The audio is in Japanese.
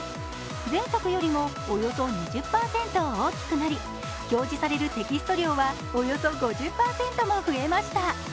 前作よりもおよそ２０％大きくなり表示されるテキスト量はおよそ５０％も増えました。